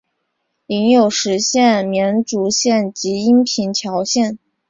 领有实县绵竹县及阴平侨县。